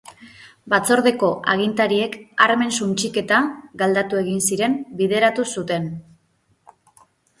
Batzordeko agintariek armen suntsiketa –galdatu egin ziren– bideratu zuten.